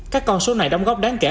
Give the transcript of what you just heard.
các con số này đóng góp đáng kể